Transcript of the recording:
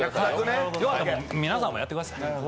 皆さんもやってください。